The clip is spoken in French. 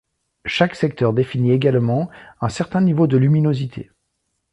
Chaque secteur définit également un certain niveau de luminosité.